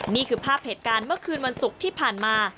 นี่คือภาพเหตุการณ์เมื่อคืนวันศุกร์ที่ผ่านมา